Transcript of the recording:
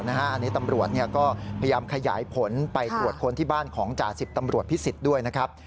อันนี้ตำรวจก็พยายามขยายผลไปตรวจค้นที่บ้านของจ่าสิบตำรวจพิสิทธิ์ด้วยนะครับ